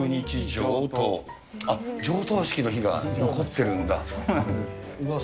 上棟式の日が残ってるんだ。